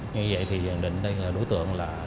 như vậy thì nhận định đây là đối tượng